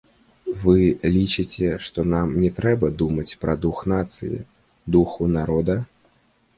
Вы лічыце, што нам не трэба думаць пра дух нацыі, духу народа?